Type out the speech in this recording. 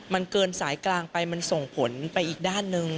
มันเกินสายกลางไปมันส่งผลไปอีกด้านหนึ่ง